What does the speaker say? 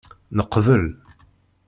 Neqbel.